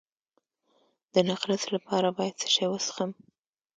د نقرس لپاره باید څه شی وڅښم؟